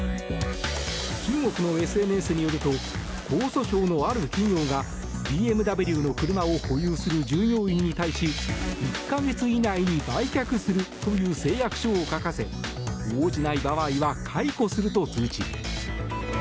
中国のＳＮＳによると江蘇省のある企業がＢＭＷの車を保有する従業員に対し１か月以内に売却するという誓約書を書かせ応じない場合は解雇すると通知。